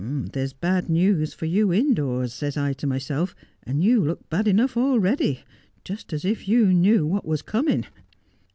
" There's had news for you indoors,'' says I to myself, "and you look had enough already, just as if you knew what was coming."